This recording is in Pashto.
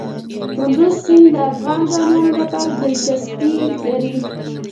کندز سیند د افغان ځوانانو لپاره دلچسپي لري.